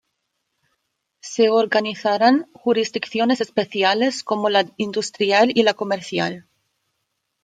Se organizarán jurisdicciones especiales como la industrial y la comercial.